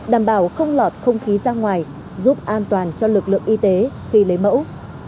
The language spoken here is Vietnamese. đảm bảo không lọt không khí ra ngoài giúp an toàn cho lực lượng y tế khi lấy mẫu